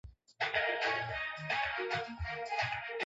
Paka alikunywa maziwa yote